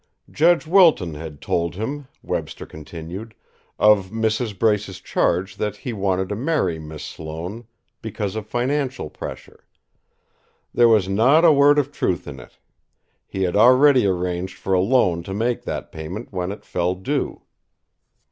Judge Wilton had told him, Webster continued, of Mrs. Brace's charge that he wanted to marry Miss Sloane because of financial pressure; there was not a word of truth in it; he had already arranged for a loan to make that payment when it fell due.